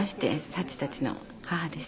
幸たちの母です。